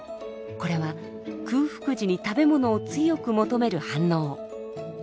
これは空腹時に食べ物を強く求める反応。